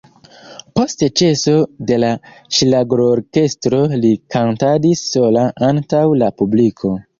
Post ĉeso de la ŝlagrorkestro li kantadis sola antaŭ la publiko.